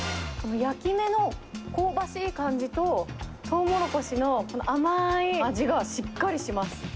焼き目の香ばしい感じと、とうもろこしの甘い味がしっかりします。